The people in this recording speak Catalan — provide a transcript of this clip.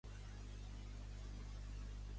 Quin càrrec va tenir al diari Las Provincias?